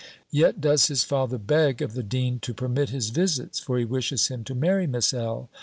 Yet does his father beg of the dean to permit his visits, for he wishes him to marry Miss L.